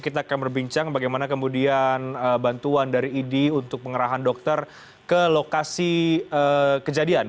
kita akan berbincang bagaimana kemudian bantuan dari idi untuk pengerahan dokter ke lokasi kejadian